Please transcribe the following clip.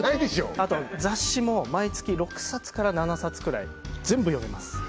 あと雑誌も毎月６冊から７冊くらい全部読みます